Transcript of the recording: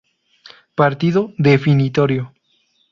Partido Definitorio